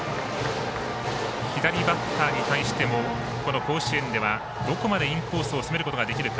左バッターに対しても甲子園ではどこまでインコースを攻めることができるか。